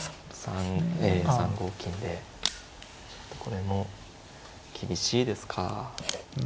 ちょっとこれも厳しいですか。